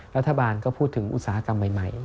รัฐบาลก็พูดถึงอุตสาหกรรมใหม่